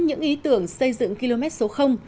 những ý tưởng xây dựng km số